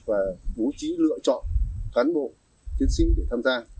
và bố trí lựa chọn cán bộ chiến sĩ để tham gia